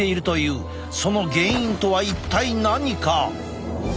その原因とは一体何か？